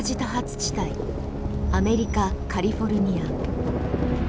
地帯アメリカ・カリフォルニア。